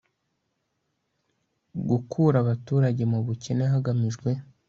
gukura abaturage mu bukene hagamijwe